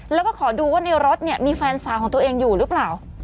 แล้วก็ขอดูว่าในรถเนี่ยมีแฟนสาวของตัวเองอยู่หรือเปล่า